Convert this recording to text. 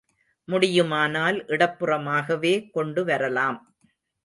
முடியுமானால், இடப்புறமாகவே கொண்டு வரலாம்.